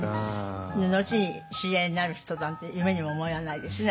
後に知り合いになる人だなんて夢にも思わないですね